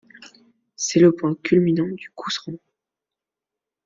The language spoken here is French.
C'est le point culminant du Couserans.